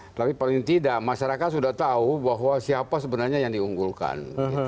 tapi paling tidak masyarakat sudah tahu bahwa siapa sebenarnya yang diunggulkan